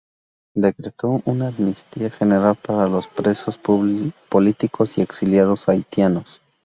Decretó una amnistía general para los presos políticos y exiliados haitianos.